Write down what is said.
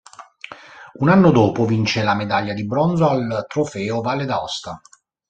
Un anno dopo vince la medaglia di bronzo al Trofeo Valle d'Aosta.